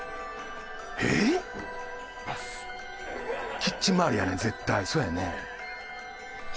キッチンまわりやな絶対そうやんね。